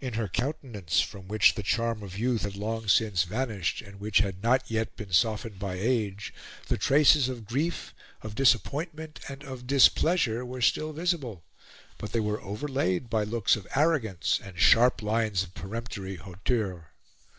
In her countenance, from which the charm of youth had long since vanished, and which had not yet been softened by age, the traces of grief, of disappointment, and of displeasure were still visible, but they were overlaid by looks of arrogance and sharp lines of peremptory hauteur.